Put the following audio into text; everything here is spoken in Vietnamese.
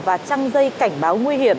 và trăng dây cảnh báo nguy hiểm